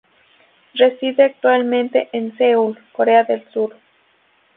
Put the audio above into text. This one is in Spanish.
Reside actualmente en Seúl, Corea del Sur.